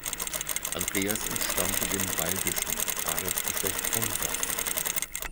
Andreas entstammte dem baltischen Adelsgeschlecht von Saß.